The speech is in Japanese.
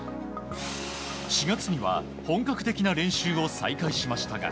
４月には本格的な練習を再開しましたが。